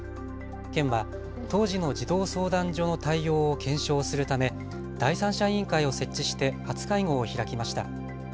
県は当時の児童相談所の対応を検証するため第三者委員会を設置して初会合を開きました。